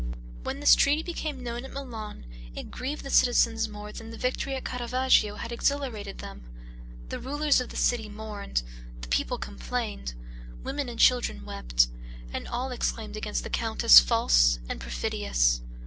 When this treaty became known at Milan, it grieved the citizens more than the victory at Caravaggio had exhilarated them. The rulers of the city mourned, the people complained, women and children wept, and all exclaimed against the count as false and perfidious.